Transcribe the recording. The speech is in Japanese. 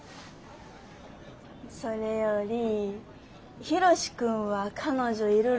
それよりヒロシ君は彼女いるろ？